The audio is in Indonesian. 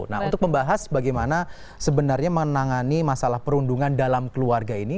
nah untuk membahas bagaimana sebenarnya menangani masalah perundungan dalam keluarga ini